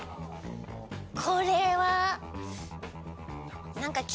これは。